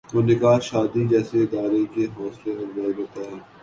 وہ نکاح شادی جیسے اداروں کی حوصلہ افزائی کرتا ہے۔